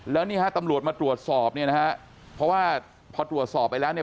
แล้วนี่ฮะตำรวจมาตรวจสอบเนี่ยนะฮะเพราะว่าพอตรวจสอบไปแล้วเนี่ย